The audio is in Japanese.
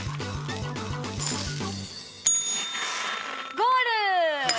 ゴール！